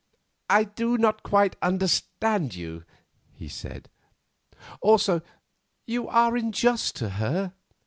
"I do not quite understand you," he said. "Also, you are unjust to her."